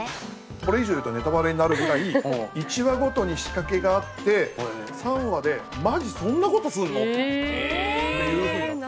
これ以上言うとネタバレになるぐらい１話ごとに仕掛けがあって３話でマジそんなことするのっていうふうな。